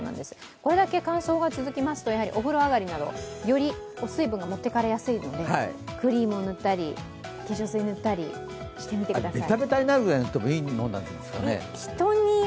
これだけ乾燥が続きますと、お風呂あがりなどより水分が持っていかれやすいので、クリームを塗ったり、化粧水を塗ったりしてみてください。